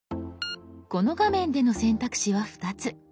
この画面での選択肢は２つ。